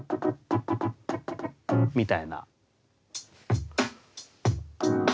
みたいな。